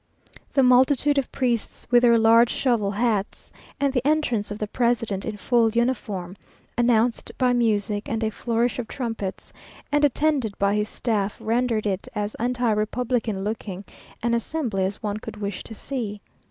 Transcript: The multitude of priests with their large shovel hats, and the entrance of the president in full uniform, announced by music and a flourish of trumpets, and attended by his staff, rendered it as anti republican looking an assembly as one could wish to see.